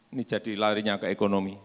ini jadi larinya ke ekonomi